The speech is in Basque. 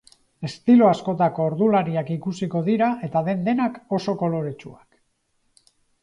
Estilo askotako ordulariak ikusiko dira eta den-denak oso koloretsuak.